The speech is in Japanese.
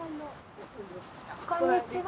こんにちは。